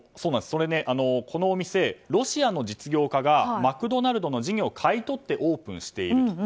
このお店、ロシアの実業家がマクドナルドの事業を買い取ってオープンしていると。